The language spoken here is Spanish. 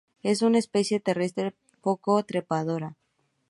Es una especie terrestre poco trepadora.